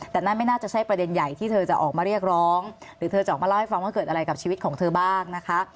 แต่นั่นไม่น่าจะใช่ประเด็นใหญ่ที่เธอจะออกมาเรียกร้องหรือเธอจะออกมาเล่าให้ฟังว่าเกิดอะไรกับชีวิตของเธอบ้างนะคะ